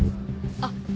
あっ。